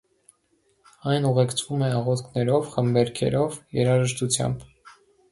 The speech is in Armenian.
Այն ուղեկցվում է աղոթքներով, խմբերգերով, երաժշտությամբ։